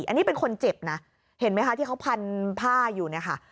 อันนี้เป็นคนเจ็บนะเห็นไหมคะที่เขาพันผ้าอยู่เนี่ยค่ะ